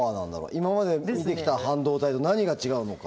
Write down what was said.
今まで見てきた半導体と何が違うのか。